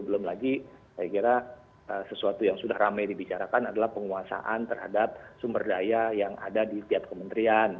belum lagi saya kira sesuatu yang sudah ramai dibicarakan adalah penguasaan terhadap sumber daya yang ada di tiap kementerian